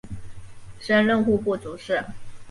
升任户部主事。